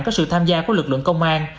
có sự tham gia của lực lượng công an